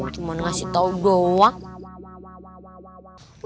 cuman ngasih tahu doang